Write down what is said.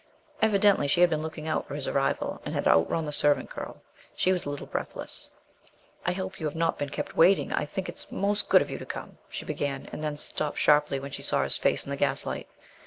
Evidently she had been looking out for his arrival, and had outrun the servant girl. She was a little breathless. "I hope you've not been kept waiting I think it's most good of you to come " she began, and then stopped sharp when she saw his face in the gaslight.